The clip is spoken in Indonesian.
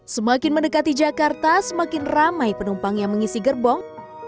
semakin mendekati jakarta semakin ramai penumpang yang mengisi gerbong